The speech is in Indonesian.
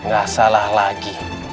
gak salah lagi